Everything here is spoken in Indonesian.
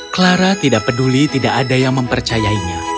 clara tidak peduli tidak ada yang mempercayainya